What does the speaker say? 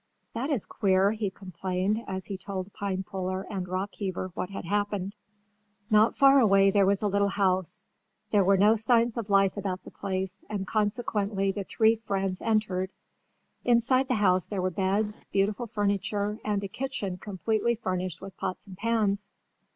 "That is queer," he complained as he told Pinepuller and Rockheaver what had happened. Not far away there was a little house. There were no signs of life about the place and consequently the three friends entered. Inside the house there were beds, beautiful furniture and a kitchen completely furnished with pots and pans.